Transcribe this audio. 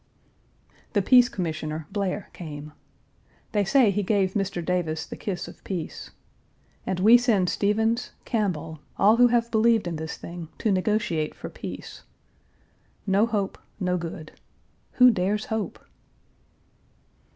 The Peace Commissioner, Blair, came. They say he gave Mr. Davis the kiss of peace. And we send Stephens, Campbell, all who have believed in this thing, to negotiate for peace. No hope, no good. Who dares hope?